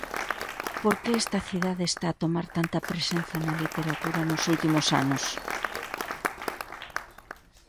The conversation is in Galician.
Por que esta cidade está a tomar tanta presenza na literatura nos últimos anos?